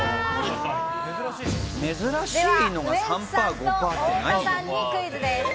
では、ウエンツさんと太田さんにクイズです。